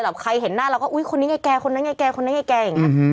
ใครเห็นหน้าเราก็อุ๊ยคนนี้ไงแกคนนั้นไงแกคนนั้นไงแกอย่างนี้